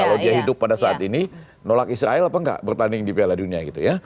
kalau dia hidup pada saat ini nolak israel apa nggak bertanding di piala dunia gitu ya